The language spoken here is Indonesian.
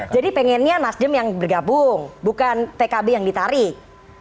jadi pengennya nasdem yang bergabung bukan pkb yang ditarik